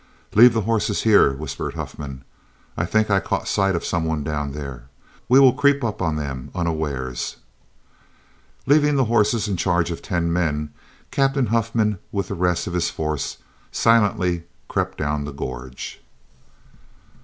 "Leave the horses here," whispered Huffman, "I think I caught sight of some one down there. We will creep up on them unawares." Leaving the horses in charge of ten men, Captain Huffman, with the rest of his force, silently crept down the gorge. [Illustration: THEY SILENTLY CREPT DOWN THE GORGE.